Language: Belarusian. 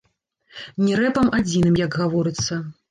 Не рэпам адзіным, як гаворыцца.